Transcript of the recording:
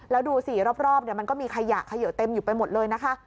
แล้วดูสิรอบมันก็มีขยะเขยะเต็มอยู่ไปหมดเลยนะคะ